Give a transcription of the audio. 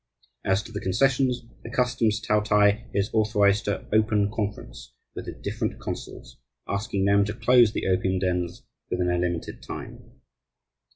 "As to the concessions, the Customs Taotai is authorized to open conference with the different consuls, asking them to close the opium dens within a limited time."